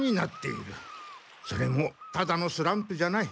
それもただのスランプじゃない。